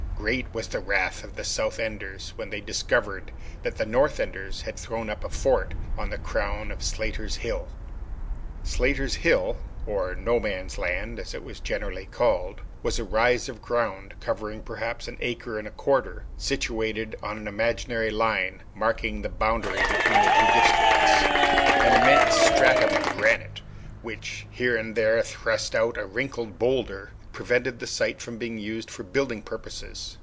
Great was the wrath of the South Enders, when they discovered that the North Enders had thrown up a fort on the crown of Slatter's Hill. Slatter's Hill, or No man's land, as it was generally called, was a rise of ground covering, perhaps, an acre and a quarter, situated on an imaginary line, marking the boundary between the two districts. An immense stratum of granite, which here and there thrust out a wrinkled boulder, prevented the site from being used for building purposes.